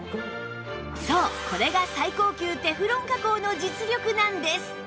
そうこれが最高級テフロン加工の実力なんです